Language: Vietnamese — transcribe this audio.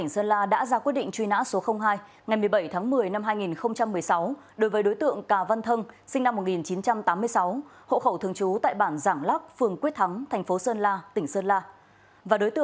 xin chào và hẹn gặp lại